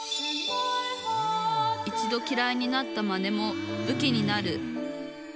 一度きらいになったマネもぶきになる。